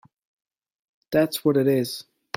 That’s what it is!